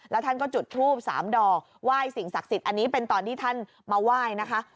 แล้วท่านก็จุดทูบ๓ดอกไหว้สิ่งศักดิ์สิทธิ์อันนี้เป็นตอนที่ท่านมาไหว้นะคะ